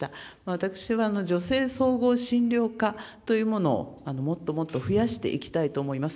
私は、女性総合診療科というものを、もっともっと増やしていきたいと思います。